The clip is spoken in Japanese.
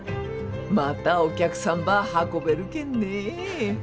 またお客さんば運べるけんね。